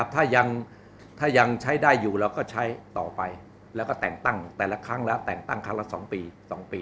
ถ้ายังใช้ได้อยู่แล้วก็ใช้ต่อไปแล้วก็แต่งตั้งแต่ละครั้งละ๒ปี